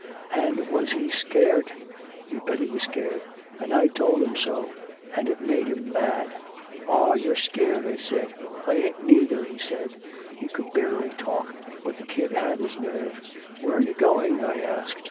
And was he scared? You bet he was scared! And I told him so and it made him mad! 'Aw, you're scared!' I said. 'I ain't neither!' he said. He could barely talk, but the kid had his nerve! 'Where you going?' I asked.